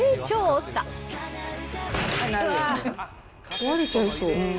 壊れちゃいそう。